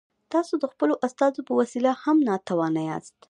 تاسو د خپلو استازو په وسیله هم ناتوان یاست.